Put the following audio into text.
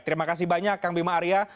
terima kasih banyak kang bima arya